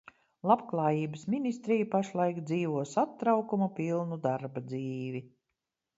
Labklājības ministrija pašlaik dzīvo satraukuma pilnu darba dzīvi.